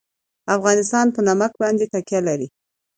افغانستان په نمک باندې تکیه لري.